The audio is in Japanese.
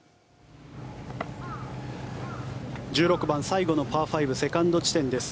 １６番、最後のパー５セカンド地点です。